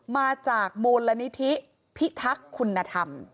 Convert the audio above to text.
มาจากมูลนิธิพิทักษ์คุณธรรม